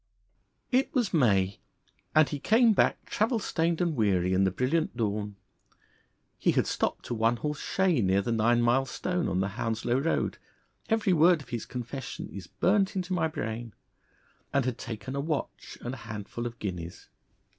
It was May, and he came back travel stained and weary in the brilliant dawn. He had stopped a one horse shay near the nine mile stone on the Hounslow Road every word of his confession is burnt into my brain and had taken a watch and a handful of guineas.